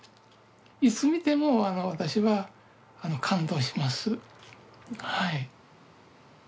いつ見ても私は感動しますはい。